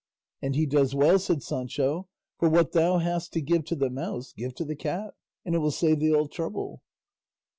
"And he does well," said Sancho, "for what thou hast to give to the mouse, give to the cat, and it will save thee all trouble."